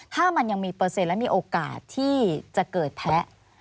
ถ้ามันยังมีเปอร์เซ็นต์และมีโอกาสที่จะเกิดแพ้